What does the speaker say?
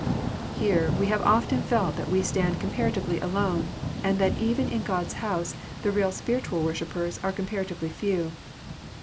Here we have often felt that we stand comparatively alone, and that even in God s house the real spiritual worshippers are comparatively few.